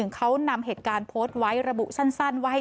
เขานำเหตุการณ์โพสต์ไว้ระบุสั้นว่า